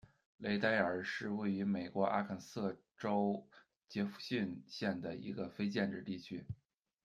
雷代尔是位于美国阿肯色州杰佛逊县的一个非建制地区。